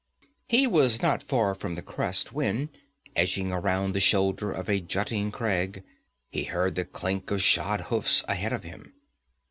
He was not far from the crest when, edging around the shoulder of a jutting crag, he heard the clink of shod hoofs ahead of him.